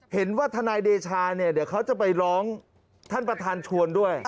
เห็นว่าธนายเดชาเดี๋ยวเขาจะไปร้องท่านประธานชวนด้วย